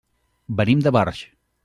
Venim de Barx.